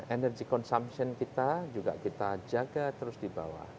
energy consumption kita juga kita jaga terus di bawah